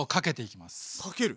かける？